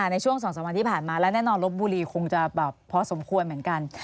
ในช่วง๒๓วันที่ผ่านมาและแน่นอนลบบุรีคงจะแบบพอสมควรเหมือนกัน